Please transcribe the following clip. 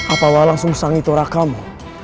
apakah langsung sang itu rakamu